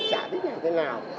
chả biết là thế nào